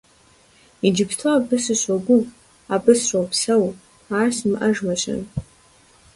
Иджыпсту абы сыщогугъ, абы сропсэу, ар симыӀэжмэ-щэ?